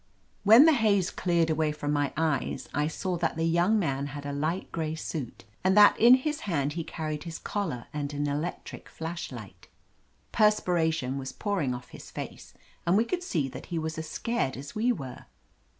When the haze cleared away from my eyes I saw that the young man had on a light gray suit, and that in his hand he carried his collar and an electric flashlight. Perspiration was pouring off his face and we could see that he was as scared as we were.